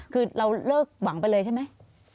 คือเราเลิกหวังไปเลยใช่ไหม